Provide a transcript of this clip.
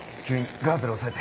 ガーゼで押さえて。